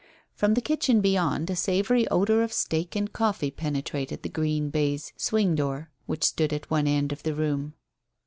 From the kitchen beyond a savoury odour of steak and coffee penetrated the green baize swing door which stood at one end of the room.